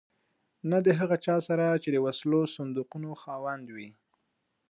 نه د هغه چا سره چې د وسلو صندوقونو خاوند وي.